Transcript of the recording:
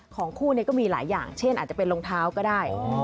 ของคู่ก็มีหลายอย่างเช่นอาจจะเป็นรองเท้าก็ได้